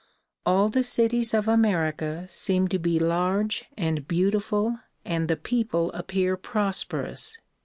All the cities of America seem to be large and beautiful and the people appear prosperous.